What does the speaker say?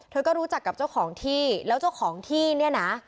เธอก็รู้จักกับเจ้าของที่แล้วเจ้าของที่เนี่ยนะ